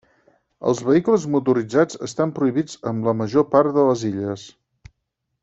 Els vehicles motoritzats estan prohibits en la major part de les illes.